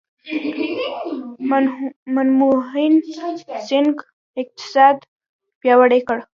منموهن سینګ اقتصاد پیاوړی کړ.